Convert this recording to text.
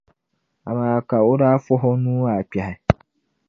Amaa ka o daa fɔh’ o nuu maa kpɛhi.